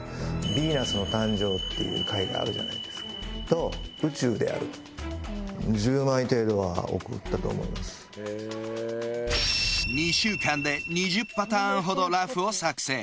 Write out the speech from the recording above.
「ヴィーナスの誕生」っていう絵画あるじゃないですかと宇宙であると２週間で２０パターンほどラフを作成